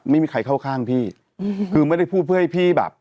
ไม่มีใครเข้าข้างพี่คือไม่ได้พูดเพื่อให้พี่แบบ